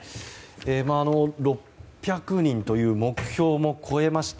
６００人という目標も超えまして